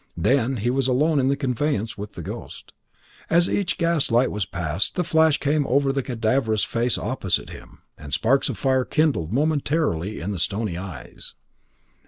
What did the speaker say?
Then he was alone in the conveyance with the ghost. As each gaslight was passed the flash came over the cadaverous face opposite him, and sparks of fire kindled momentarily in the stony eyes.